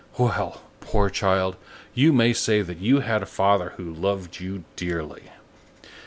Well! poor child, you may say that you had a father who loved you dearly!"